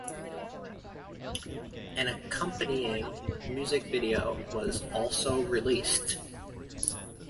An accompanying music video was also released.